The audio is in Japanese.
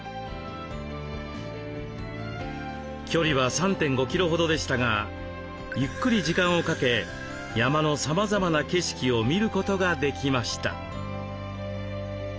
距離は３．５キロほどでしたがゆっくり時間をかけ山のさまざまな景色を見ることができました。